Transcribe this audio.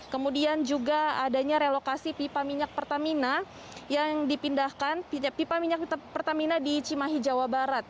kemudian juga adanya relokasi pipa minyak pertamina yang dipindahkan pipa minyak pertamina di cimahi jawa barat